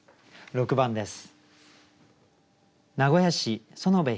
６番です。